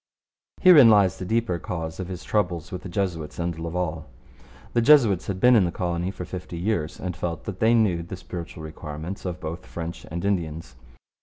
Herein lies the deeper cause of his troubles with the Jesuits and Laval. The Jesuits had been in the colony for fifty years and felt that they knew the spiritual requirements of both French and Indians.